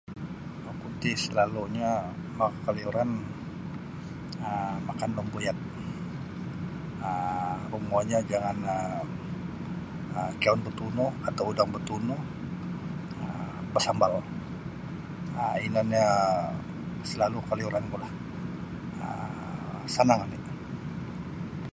Oku ti salalunyo maka kaliuran um makan da ambuyat um rumonyo jangan um kianun batunu atau udang batunu basambal um ino nio selalu kaliuran ku lah um sanang oni.